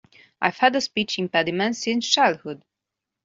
I've had a speech impediment since childhood.